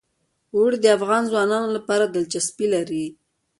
اوړي د افغان ځوانانو لپاره دلچسپي لري.